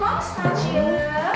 koks tak cil